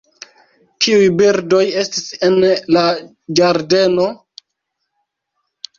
Kiuj birdoj estis en la ĝardeno?